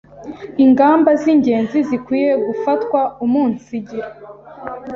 ingamba z’ingenzi zikwiye gufatwa umunsigira